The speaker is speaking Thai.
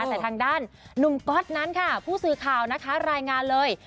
แต่ทางด้านหนุ่มก๊อตนั้นค่ะผู้สื่อข่าวนะคะรายงานเลย